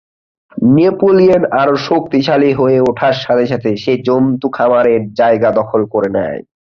Napoleon আরো শক্তিশালী হয়ে ওঠার সাথে সাথে সে জন্তু খামারের জায়গা দখল করে নেয়।